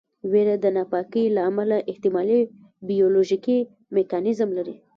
ویره د ناپاکۍ له امله احتمالي بیولوژیکي میکانیزم لري.